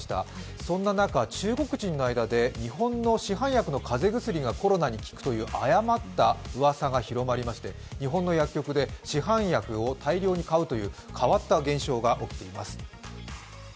そんな中、中国人の間で日本の市販薬の風邪薬がコロナに利くという誤ったうわさが広まりまして日本の薬局で市販薬を大量に買うという変わった現象が起きています。